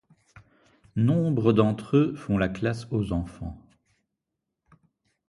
Nombre d'entre eux font la classe aux enfants.